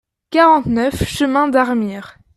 quarante-neuf chemin d'Armire